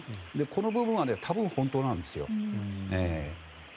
この部分は多分本当なんですよ。